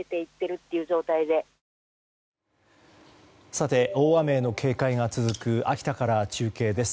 さて、大雨への警戒が続く秋田から中継です。